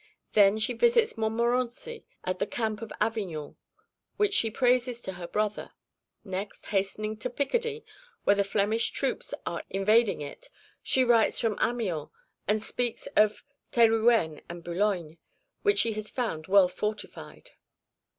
then she visits Montmorency at the camp of Avignon, which she praises to her brother; next, hastening to Picardy, when the Flemish troops are invading it, she writes from Amiens and speaks of Thérouenne and Boulogne, which she has found well fortified.